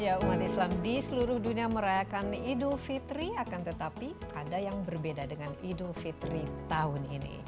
ya umat islam di seluruh dunia merayakan idul fitri akan tetapi ada yang berbeda dengan idul fitri tahun ini